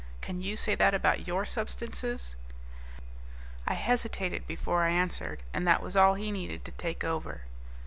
Can you say that about your substances?" I hesitated before I answered, and that was all he needed to take over.